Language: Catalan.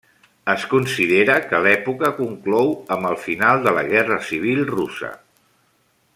Es considera que l'època conclou amb el final de la Guerra Civil Russa.